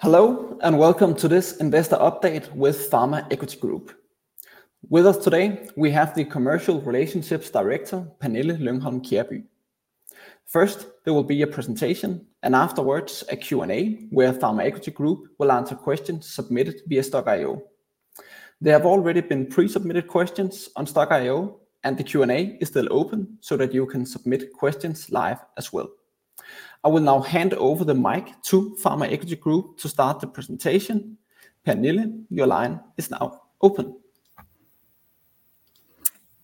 Hello, and welcome to this investor update with Pharma Equity Group. With us today, we have the Commercial Relationship Director, Pernille Lyngholm-Kjærby. First, there will be a presentation, and afterwards, a Q&A, where Pharma Equity Group will answer questions submitted via Stokk.io. There have already been pre-submitted questions on Stokk.io, and the Q&A is still open, so that you can submit questions live as well. I will now hand over the mic to Pharma Equity Group to start the presentation. Pernille, your line is now open.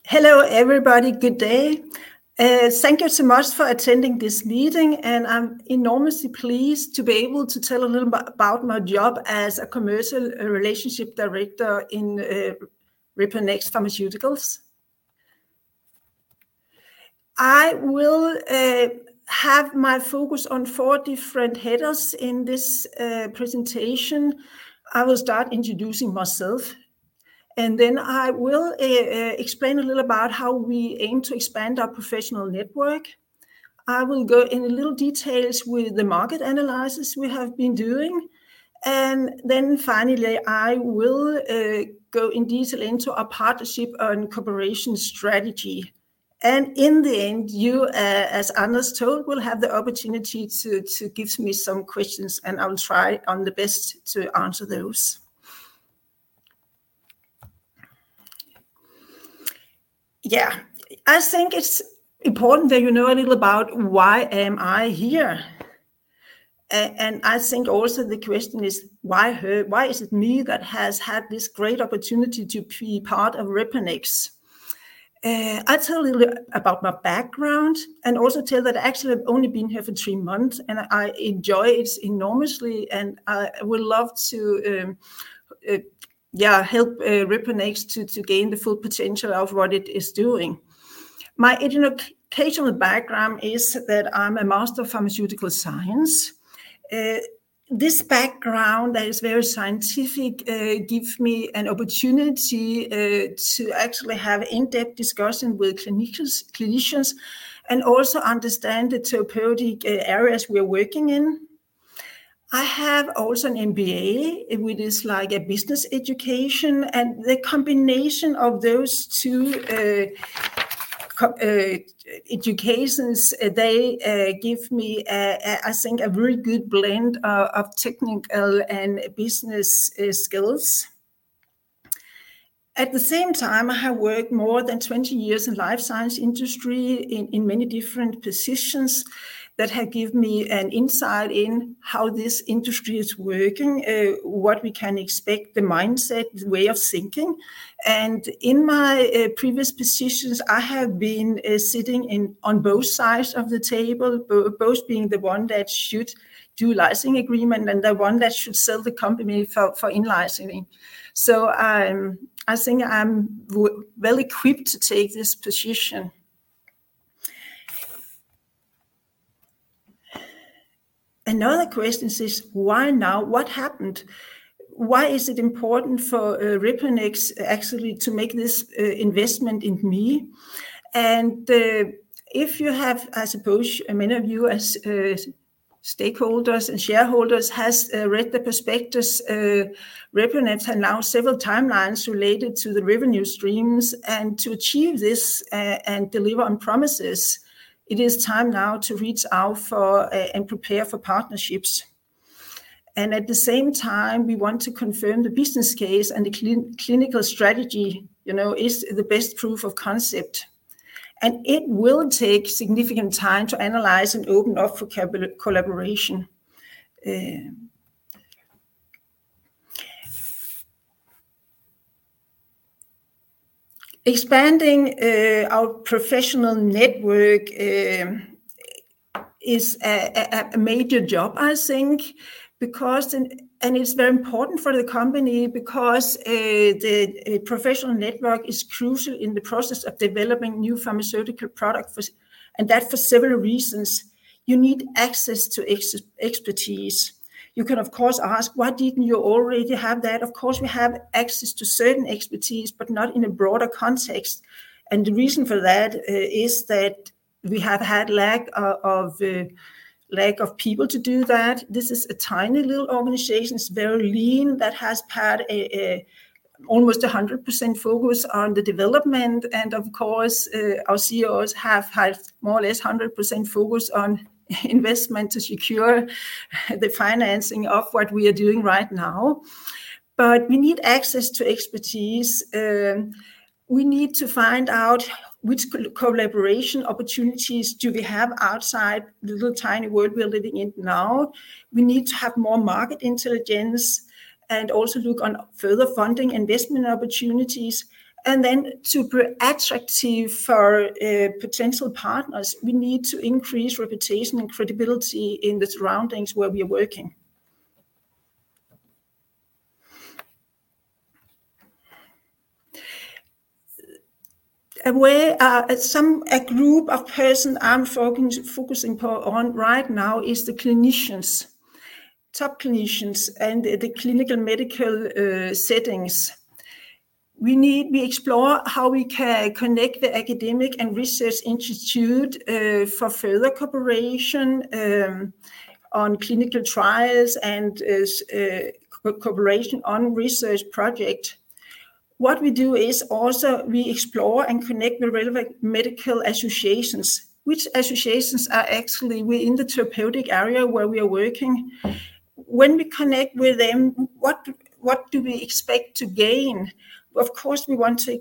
Hello, everybody. Good day. Thank you so much for attending this meeting, and I'm enormously pleased to be able to tell a little bit about my job as a commercial relationship director in Reponex Pharmaceuticals. I will have my focus on four different headers in this presentation. I will start introducing myself, and then I will explain a little about how we aim to expand our professional network. I will go in little details with the market analysis we have been doing, and then finally, I will go in detail into our partnership and cooperation strategy. And in the end, you, as Anders told, will have the opportunity to give me some questions, and I will try on the best to answer those. Yeah, I think it's important that you know a little about why am I here. And I think also the question is, why her? Why is it me that has had this great opportunity to be part of Reponex? I'll tell you a little about my background, and also tell that actually I've only been here for three months, and I enjoy it enormously, and I would love to help Reponex to gain the full potential of what it is doing. My educational background is that I'm a Master of Pharmaceutical Science. This background that is very scientific gives me an opportunity to actually have in-depth discussion with clinicians and also understand the therapeutic areas we are working in. I have also an MBA, which is like a business education, and the combination of those two educations, they give me a I think a very good blend of technical and business skills. At the same time, I have worked more than 20 years in life science industry in many different positions that have give me an insight in how this industry is working, what we can expect, the mindset, way of thinking. In my previous positions, I have been sitting in on both sides of the table, both being the one that should do licensing agreement and the one that should sell the company for in licensing. I think I'm well equipped to take this position. Another question is, why now? What happened? Why is it important for Reponex actually to make this investment in me? If you have, I suppose many of you as stakeholders and shareholders, have read the prospectus, Reponex have now several timelines related to the revenue streams, and to achieve this, and deliver on promises, it is time now to reach out for, and prepare for partnerships. At the same time, we want to confirm the business case and the clinical strategy, you know, is the best proof of concept, and it will take significant time to analyze and open up for collaboration. Expanding our professional network is a major job, I think, because and it's very important for the company because the professional network is crucial in the process of developing new pharmaceutical products for, and that for several reasons. You need access to expertise. You can, of course, ask, why didn't you already have that? Of course, we have access to certain expertise, but not in a broader context, and the reason for that is that we have had lack of people to do that. This is a tiny little organization. It's very lean, that has had almost 100% focus on the development, and of course, our CEOs have had more or less 100% focus on investment to secure the financing of what we are doing right now. But we need access to expertise. We need to find out which collaboration opportunities do we have outside the little tiny world we're living in now. We need to have more market intelligence, and also look on further funding investment opportunities. To be attractive for potential partners, we need to increase reputation and credibility in the surroundings where we are working. A group of person I'm focusing on right now is the clinicians, top clinicians, and the clinical medical settings. We need, we explore how we can connect the academic and research institute for further cooperation on clinical trials and as cooperation on research project. What we do is also we explore and connect the relevant medical associations, which associations are actually within the therapeutic area where we are working. When we connect with them, what do we expect to gain? Of course, we want to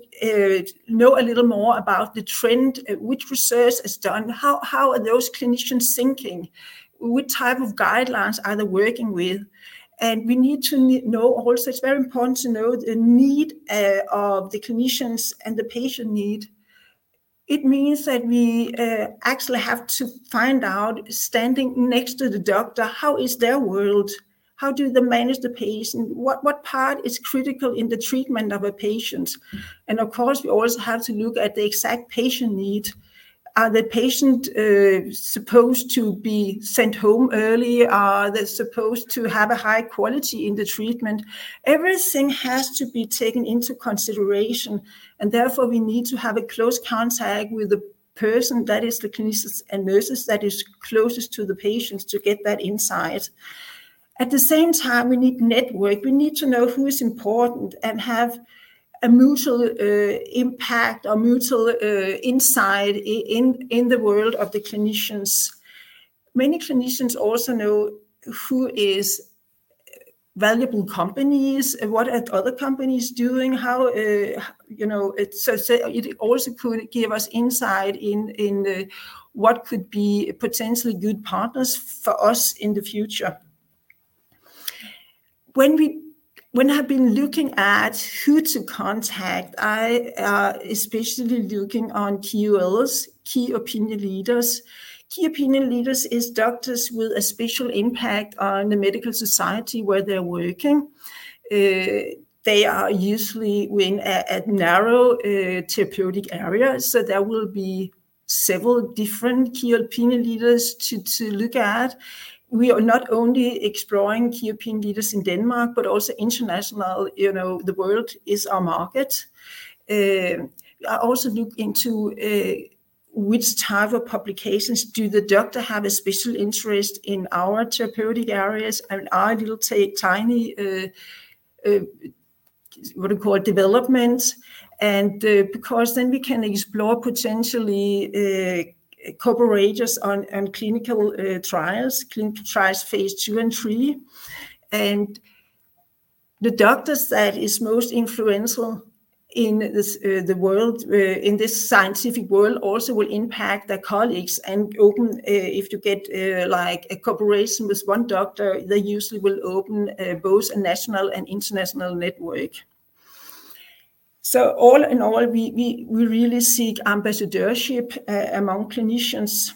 know a little more about the trend, which research is done, how those clinicians are thinking? What type of guidelines are they working with? We need to know also, it's very important to know the need of the clinicians and the patient need. It means that we actually have to find out, standing next to the doctor, how is their world? How do they manage the patient? What part is critical in the treatment of a patient? Of course, we also have to look at the exact patient need. Are the patient supposed to be sent home early? Are they supposed to have a high quality in the treatment? Everything has to be taken into consideration, and therefore, we need to have a close contact with the person, that is the clinicians and nurses that is closest to the patients to get that insight. At the same time, we need network. We need to know who is important and have a mutual impact or mutual insight in the world of the clinicians. Many clinicians also know who is valuable companies and what are other companies doing, how. You know, it's, so it also could give us insight in what could be potentially good partners for us in the future. When I have been looking at who to contact, I especially looking on KOLs, key opinion leaders. Key opinion leaders is doctors with a special impact on the medical society where they're working. They are usually within a narrow therapeutic area, so there will be several different key opinion leaders to look at. We are not only exploring key opinion leaders in Denmark, but also international. You know, the world is our market. I also look into which type of publications do the doctor have a special interest in our therapeutic areas, and I will take time what we call developments, and because then we can explore potentially cooperations on clinical trials phase II and III. The doctors that is most influential in this the world in this scientific world also will impact their colleagues and open if you get like a cooperation with one doctor, they usually will open both a national and international network. So all in all, we we we really seek ambassadorship among clinicians.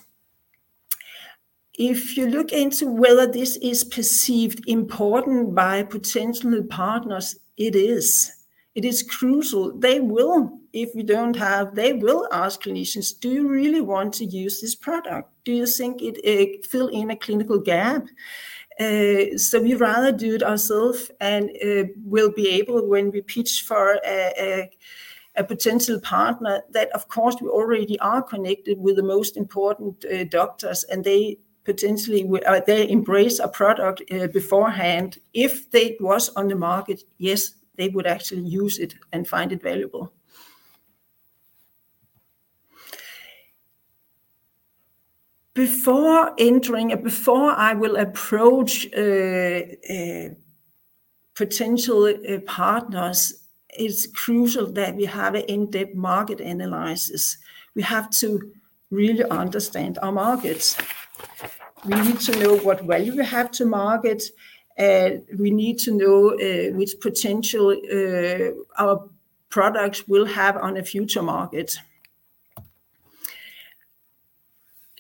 If you look into whether this is perceived important by potential partners, it is crucial. They will, if we don't have, they will ask clinicians, "Do you really want to use this product? Do you think it fill in a clinical gap?" So we'd rather do it ourself, and we'll be able, when we pitch for a potential partner, that of course, we already are connected with the most important doctors, and they potentially embrace a product beforehand. If they was on the market, yes, they would actually use it and find it valuable. Before I will approach potential partners, it's crucial that we have an in-depth market analysis. We have to really understand our markets. We need to know what value we have to market, we need to know which potential our products will have on a future market.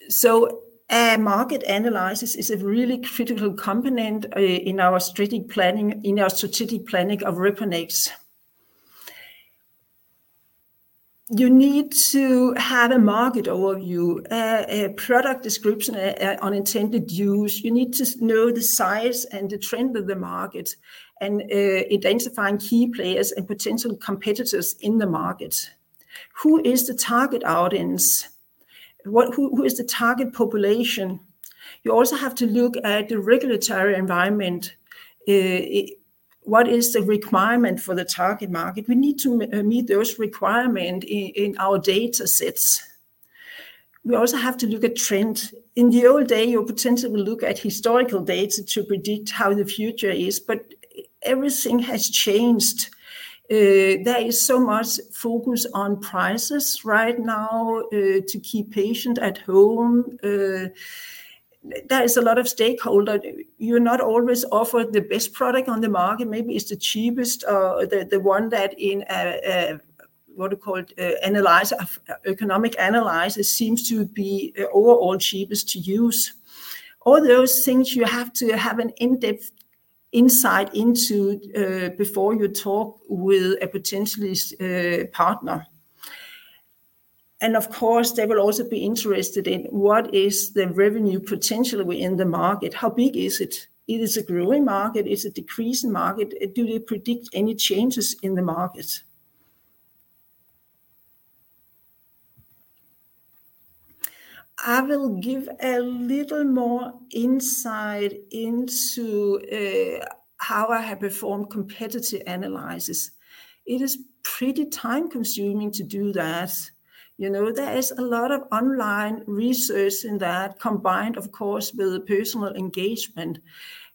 So, a market analysis is a really critical component in our strategic planning, in our strategic planning of Reponex. You need to have a market overview, a product description, on intended use. You need to know the size and the trend of the market, and identifying key players and potential competitors in the market. Who is the target audience? Who, who is the target population? You also have to look at the regulatory environment. What is the requirement for the target market? We need to meet those requirement in our datasets. We also have to look at trend. In the old day, you potentially look at historical data to predict how the future is, but everything has changed. There is so much focus on prices right now, to keep patient at home. There is a lot of stakeholder. You're not always offered the best product on the market. Maybe it's the cheapest, the one that in an analyst economic analysis seems to be overall cheapest to use. All those things you have to have an in-depth insight into, before you talk with a potential partner. Of course, they will also be interested in what is the revenue potentially within the market? How big is it? It is a growing market, it's a decreasing market. Do they predict any changes in the market? I will give a little more insight into how I have performed competitive analysis. It is pretty time-consuming to do that. You know, there is a lot of online research in that, combined, of course, with personal engagement.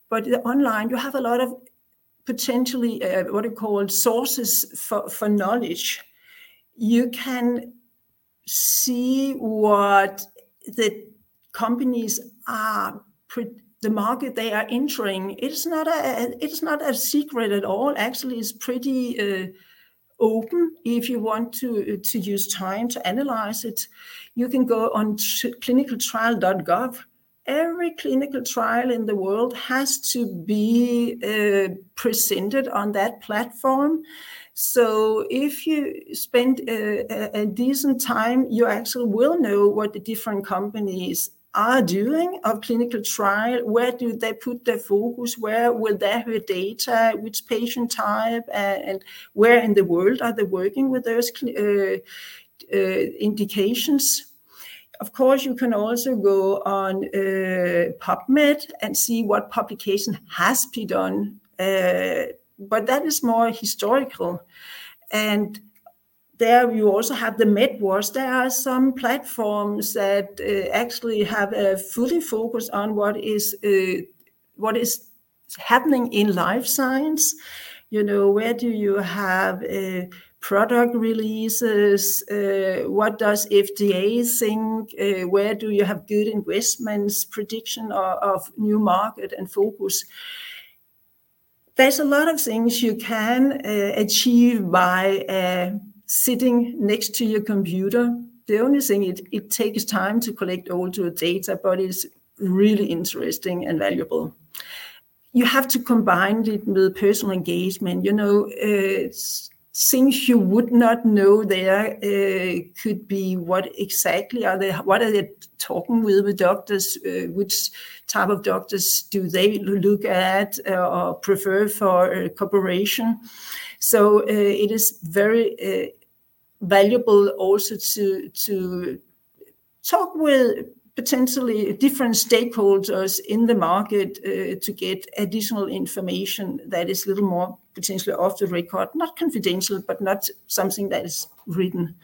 But online, you have a lot of potential sources for knowledge. You can see what the companies are the market they are entering. It is not a, it's not a secret at all. Actually, it's pretty open if you want to use time to analyze it. You can go on clinicaltrials.gov. Every clinical trial in the world has to be presented on that platform. So if you spend a decent time, you actually will know what the different companies are doing of clinical trial. Where do they put their focus? Where will they have data? Which patient type, and where in the world are they working with those indications? Of course, you can also go on PubMed and see what publication has been done, but that is more historical. And there you also have the MedWatch. There are some platforms that, actually have a full focus on what is happening in life science. You know, where do you have product releases? What does FDA think? Where do you have good investments, prediction of new market and focus? There's a lot of things you can achieve by sitting next to your computer. The only thing is, it takes time to collect all your data, but it's really interesting and valuable. You have to combine it with personal engagement. You know, things you would not know there could be what exactly are they. What are they talking with the doctors? Which type of doctors do they look at or prefer for cooperation? It is very valuable also to talk with potentially different stakeholders in the market to get additional information that is a little more potentially off the record. Not confidential, but not something that is written.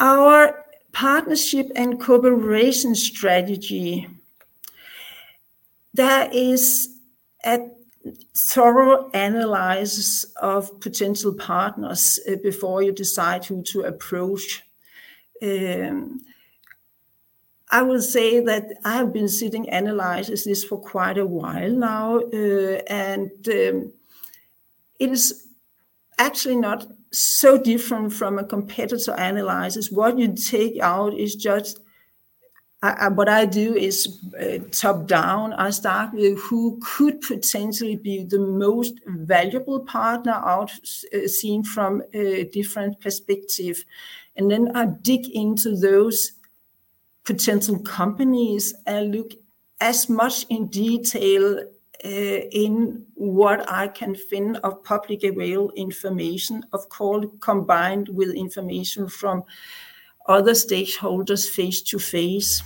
Our partnership and cooperation strategy, there is a thorough analysis of potential partners before you decide who to approach. I will say that I have been sitting, analyzing this for quite a while now, and it is actually not so different from a competitor analysis. What you take out is just what I do is top-down. I start with who could potentially be the most valuable partner out, seen from a different perspective, and then I dig into those potential companies and look as much in detail, in what I can find of public available information, of course, combined with information from other stakeholders face-to-face.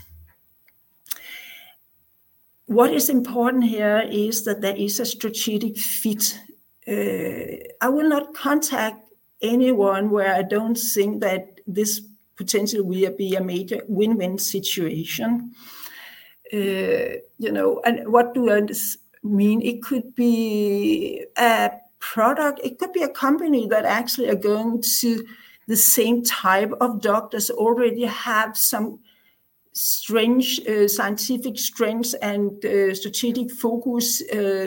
What is important here is that there is a strategic fit. I will not contact anyone where I don't think that this potentially will be a major win-win situation. What do I just mean? It could be a product. It could be a company that actually are going to see the same type of doctors already have some strange scientific strengths and strategic focus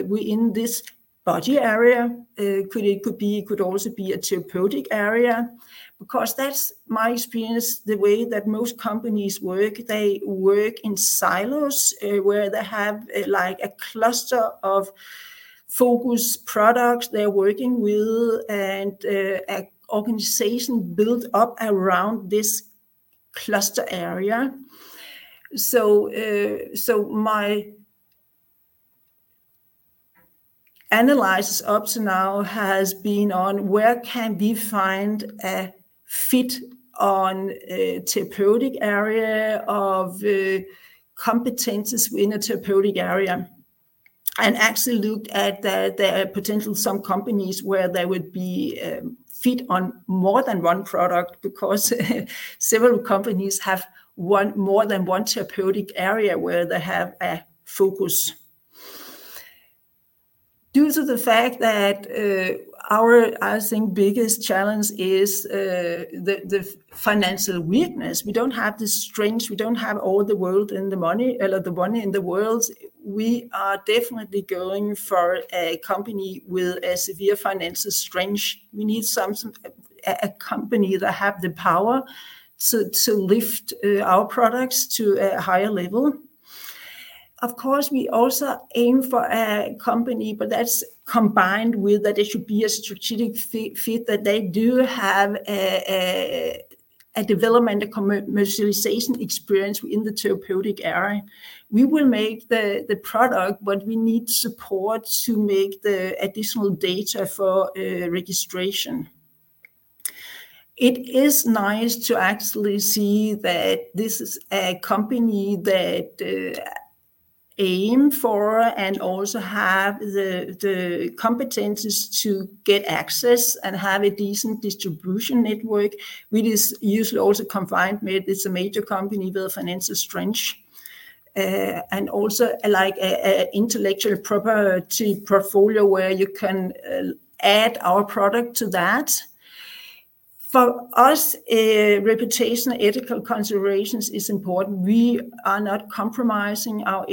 within this body area. It could also be a therapeutic area. Because that's my experience, the way that most companies work, they work in silos, where they have, like a cluster of focus products they're working with and an organization built up around this cluster area. My analysis up to now has been on where can we find a fit on a therapeutic area of competencies in a therapeutic area, and actually looked at the potential some companies where they would be fit on more than one product, because several companies have more than one therapeutic area where they have a focus. Due to the fact that, our, I think, biggest challenge is the financial weakness. We don't have the strength, we don't have all the world or the money in the world. We are definitely going for a company with a severe financial strength. We need some company that have the power to lift our products to a higher level. Of course, we also aim for a company, but that's combined with that it should be a strategic fit, that they do have development and commercialization experience within the therapeutic area. We will make the product, but we need support to make the additional data for registration. It is nice to actually see that this is a company that aim for and also have the competencies to get access and have a decent distribution network, which is usually also combined with it's a major company with a financial strength. And also, like a intellectual property portfolio where you can add our product to that. For us, reputation, ethical considerations is important. We are not compromising our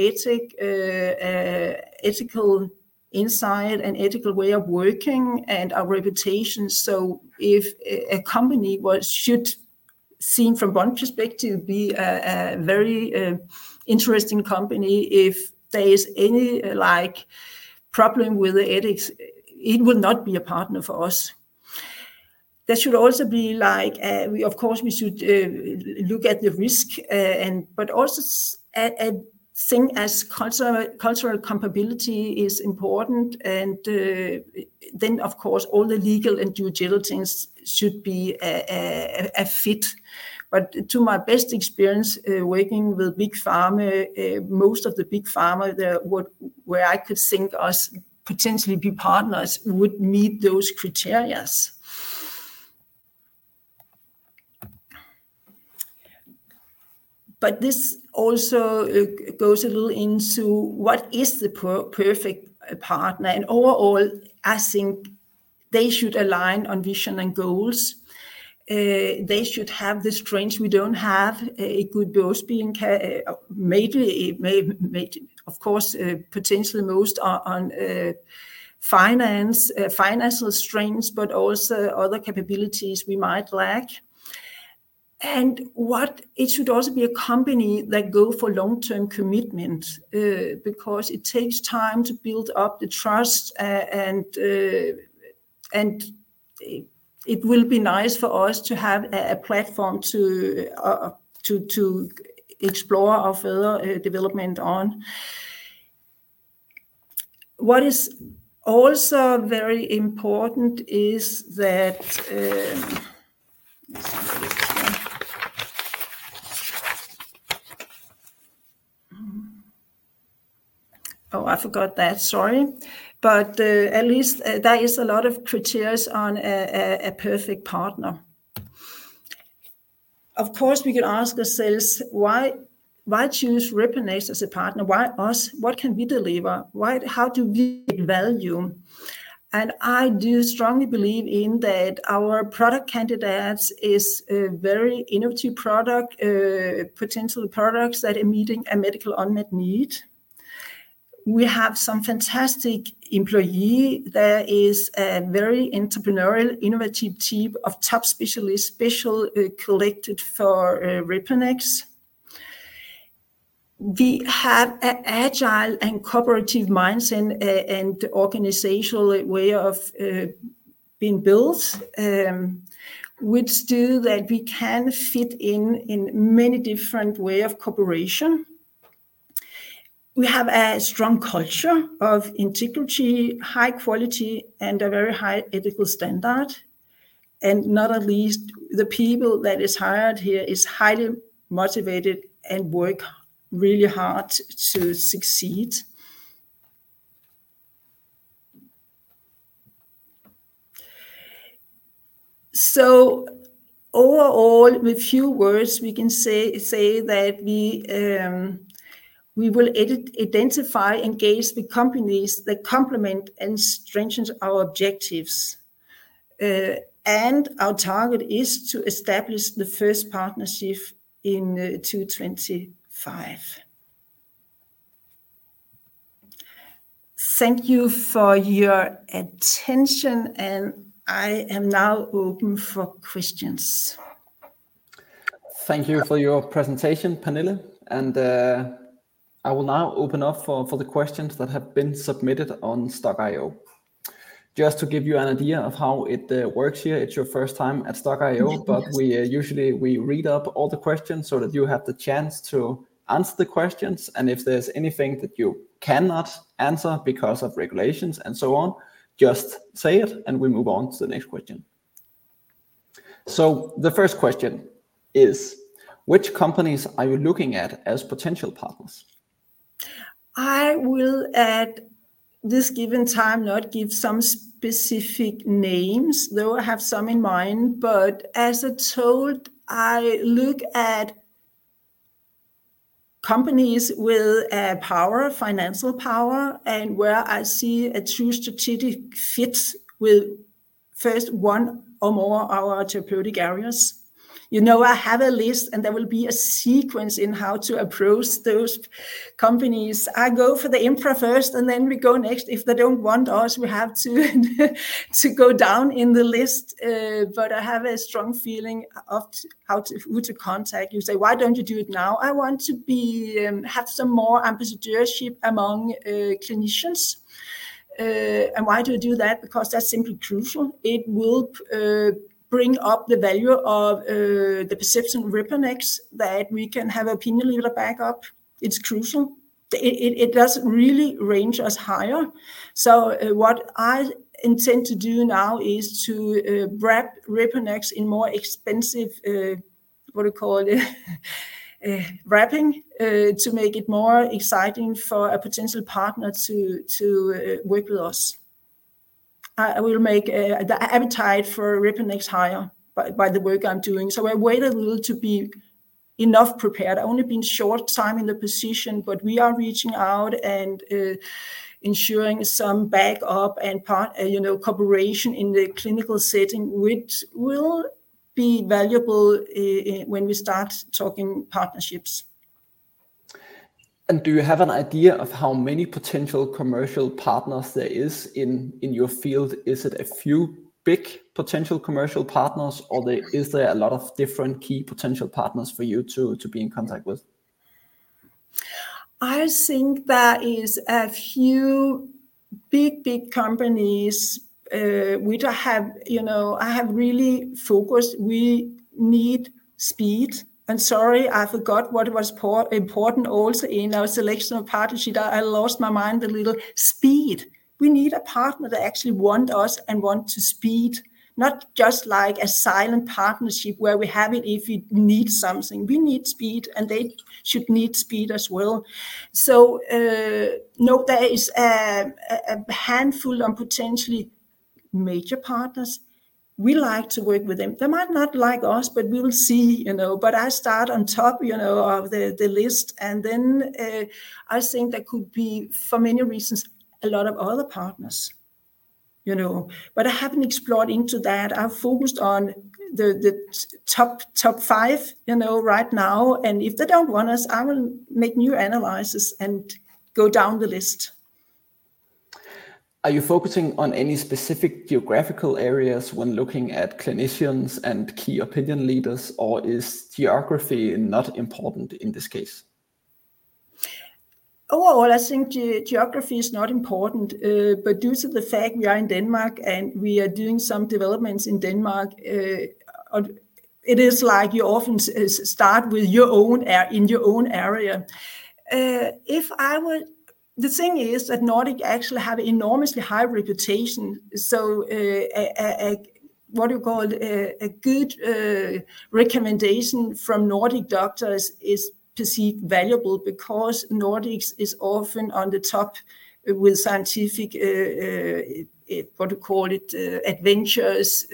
ethical insight and ethical way of working and our reputation. So if a company what should seem from one perspective be a very interesting company, if there is any, like, problem with the ethics, it will not be a partner for us. There should also be like we of course, we should look at the risk, and but also a thing as cultural comparability is important. Of course, all the legal and due diligence should be a fit. To my best experience, working with big pharma, most of the big pharma, they would where I could think us potentially be partners, would meet those criteria. But this also goes a little into what is the perfect partner? Overall, I think they should align on vision and goals. They should have the strength we don't have. It could also be, maybe, of course, potentially most on finance, financial strengths, but also other capabilities we might lack. It should also be a company that go for long-term commitment, because it takes time to build up the trust, and it will be nice for us to have a platform to explore our further development on. What is also very important is that. I forgot that. Sorry. At least, there is a lot of criteria on a perfect partner. Of course, we could ask ourselves, why choose Reponex as a partner? Why us? What can we deliver? How do we value? And I do strongly believe in that our product candidates is a very innovative product, potential products that are meeting a medical unmet need. We have some fantastic employee. There is a very entrepreneurial, innovative team of top specialists, special, collected for, Reponex. We have a agile and cooperative mindset and organizational way of being built, which do that we can fit in, in many different way of cooperation. We have a strong culture of integrity, high quality, and a very high ethical standard. And not at least, the people that is hired here is highly motivated and work really hard to succeed. So overall, with few words, we can say that we will identify, engage with companies that complement and strengthens our objectives. Our target is to establish the first partnership in 2025. Thank you for your attention, and I am now open for questions. Thank you for your presentation, Pernille, and I will now open up for the questions that have been submitted on Stokk.io. Just to give you an idea of how it works here, it's your first time at Stokk.io. We usually, we read up all the questions so that you have the chance to answer the questions, and if there's anything that you cannot answer because of regulations and so on, just say it, and we move on to the next question. So the first question is: Which companies are you looking at as potential partners? I will, at this given time, not give some specific names, though I have some in mind. But as I told, I look at companies with power, financial power, and where I see a true strategic fit with first one or more of our therapeutic areas. You know, I have a list, and there will be a sequence in how to approach those companies. I go for the infra first, and then we go next. If they don't want us, we have to go down in the list. But I have a strong feeling of how to who to contact. You say, "Why don't you do it now?" I want to be, have some more ambassadorship among clinicians, and why do we do that? Because that's simply crucial. It will bring up the value of the perception Reponex, that we can have opinion leader back up. It's crucial. It does really range us higher. So, what I intend to do now is to wrap Reponex in more expensive, what do you call it? Wrapping, to make it more exciting for a potential partner to work with us. I will make the appetite for Reponex higher by the work I'm doing. So I wait a little to be enough prepared. I've only been short time in the position, but we are reaching out and ensuring some backup and part cooperation in the clinical setting, which will be valuable when we start talking partnerships. Do you have an idea of how many potential commercial partners there is in your field? Is it a few big potential commercial partners, or is there a lot of different key potential partners for you to be in contact with? I think there is a few big companies. I have really focused. We need speed, and sorry, I forgot what was important also in our selection of partnership. I lost my mind a little. Speed. We need a partner that actually want us and want to speed, not just like a silent partnership where we have it if we need something. We need speed, and they should need speed as well. No, there is a handful of potentially major partners. We like to work with them. They might not like us, but we will see, you know. I start on top of the list, and then, I think there could be, for many reasons, a lot of other partners. I haven't explored into that. I've focused on the top five, right now, and if they don't want us, I will make new analysis and go down the list. Are you focusing on any specific geographical areas when looking at clinicians and key opinion leaders, or is geography not important in this case? Overall, I think geography is not important, but due to the fact we are in Denmark and we are doing some developments in Denmark, and it is like you often start with your own in your own area. The thing is that Nordic actually have enormously high reputation, so, a good recommendation from Nordic doctors is perceived valuable because Nordics is often on the top with scientific adventures.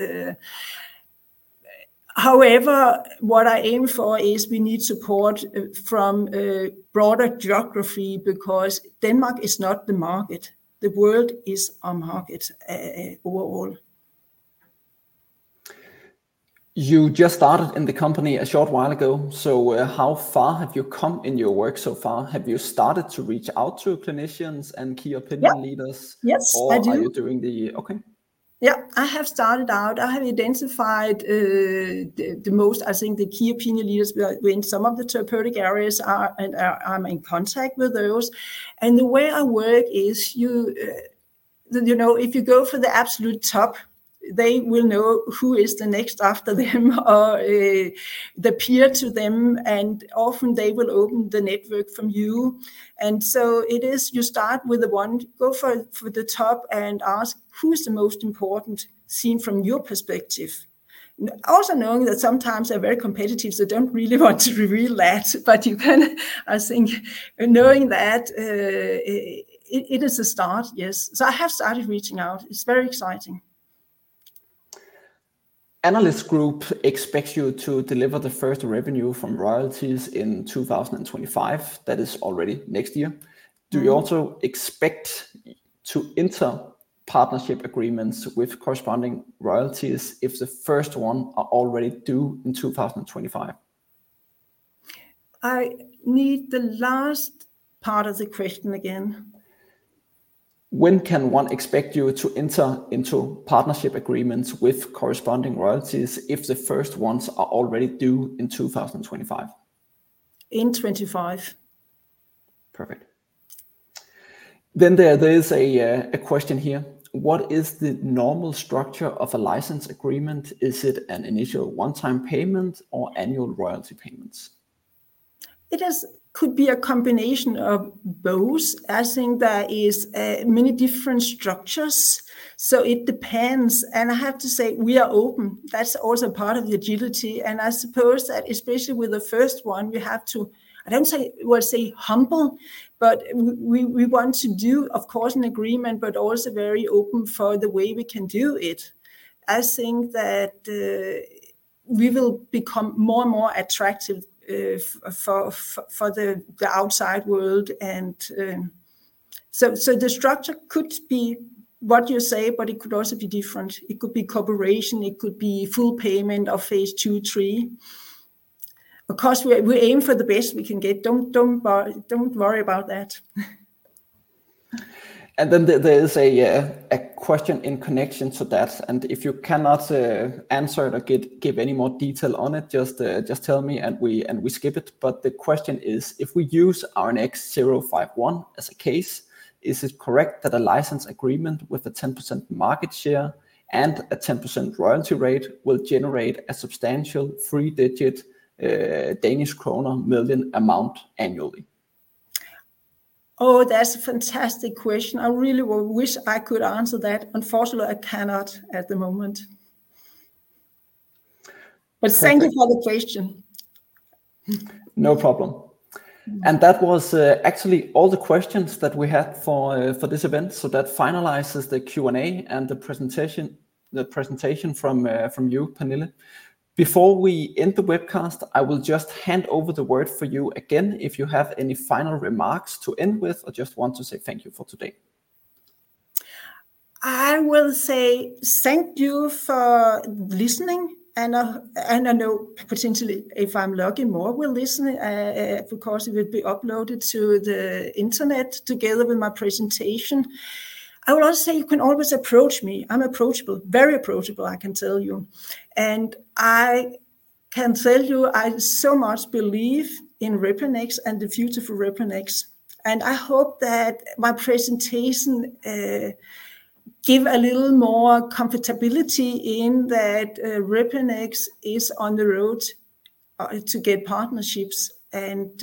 However, what I aim for is we need support from a broader geography because Denmark is not the market. The world is our market, overall. You just started in the company a short while ago, so, how far have you come in your work so far? Have you started to reach out to clinicians and key opinion leaders? Yeah. Yes, I do. Or are you doing? Okay. Yeah, I have started out. I have identified the most, I think, the key opinion leaders within some of the therapeutic areas, and I'm in contact with those. And the way I work is, if you go for the absolute top, they will know who is the next after them or the peer to them, and often they will open the network for you. And so it is you start with the one. Go for the top and ask, "Who is the most important, seen from your perspective?" Also, knowing that sometimes they're very competitive, so don't really want to reveal that. But you can, I think, knowing that it is a start, yes. So I have started reaching out. It's very exciting. Analyst Group expects you to deliver the first revenue from royalties in 2025. That is already next year. Do you also expect to enter partnership agreements with corresponding royalties if the first one are already due in 2025? I need the last part of the question again. When can one expect you to enter into partnership agreements with corresponding royalties if the first ones are already due in 2025? In 2025. Perfect. Then there is a question here: What is the normal structure of a license agreement? Is it an initial one-time payment or annual royalty payments? It is, could be a combination of both. I think there is many different structures, so it depends. And I have to say, we are open. That's also part of the agility, and I suppose that, especially with the first one, we have to, I don't say, we'll say, humble, but we, we want to do, of course, an agreement, but also very open for the way we can do it. I think that, we will become more and more attractive for the outside world, and. So, so the structure could be what you say, but it could also be different. It could be cooperation, it could be full payment of phase II, III. Of course, we, we aim for the best we can get. Don't, don't worry, don't worry about that. Then there is a question in connection to that, and if you cannot answer it or give any more detail on it, just tell me, and we skip it. But the question is: If we use RNX-051 as a case, is it correct that a license agreement with a 10% market share and a 10% royalty rate will generate a substantial three-digit danish krona million amount annually? Oh, that's a fantastic question. I really would wish I could answer that. Unfortunately, I cannot at the moment. Thank you for the question. No problem. And that was, actually, all the questions that we had for this event, so that finalizes the Q&A and the presentation from you, Pernille. Before we end the webcast, I will just hand over the word for you again, if you have any final remarks to end with or just want to say thank you for today. I will say thank you for listening, and I know potentially, if I'm lucky, more will listen. Of course, it will be uploaded to the internet together with my presentation. I will also say you can always approach me. I'm approachable, very approachable, I can tell you. And I can tell you, I so much believe in Reponex and the future for Reponex, and I hope that my presentation give a little more comfortability in that Reponex is on the road to get partnerships and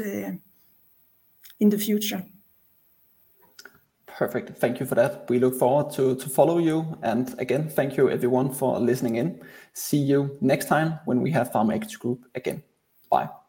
in the future. Perfect. Thank you for that. We look forward to follow you. And again, thank you everyone for listening in. See you next time when we have Pharma Equity Group again. Bye.